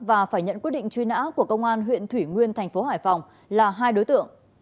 và phải nhận quyết định truy nã của công an huyện thủy nguyên thành phố hải phòng là hai đối tượng